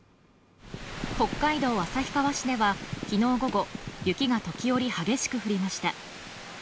北海道旭川市では昨日午後、雪が時折激しく降りました。